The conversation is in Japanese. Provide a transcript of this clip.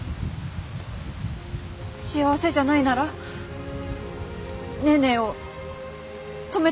幸せじゃないならネーネーを止めてください。